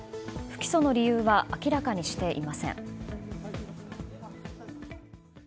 不起訴の理由は明らかにしていません。